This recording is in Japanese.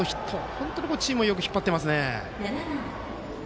本当によくチームを引っ張っていますね。